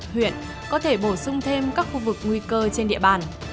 huyện có thể bổ sung thêm các khu vực nguy cơ trên địa bàn